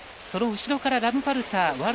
その後ろからラムパルターです。